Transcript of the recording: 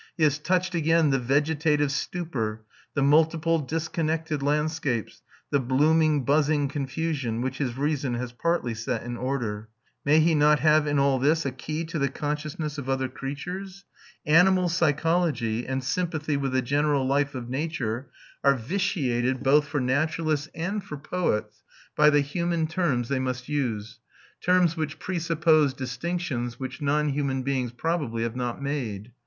He has touched again the vegetative stupor, the multiple disconnected landscapes, the "blooming buzzing confusion" which his reason has partly set in order. May he not have in all this a key to the consciousness of other creatures? Animal psychology, and sympathy with the general life of nature, are vitiated both for naturalists and for poets by the human terms they must use, terms which presuppose distinctions which non human beings probably have not made.